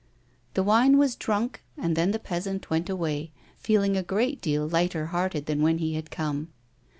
The wine was drvmk and then the peasant went away, feeling a great deal lighter hearted than when he had come.